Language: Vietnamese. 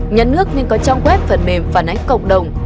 nhân nước nên có trong web phần mềm phản ánh cộng đồng